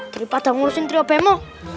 daripada ngurusin trio pemo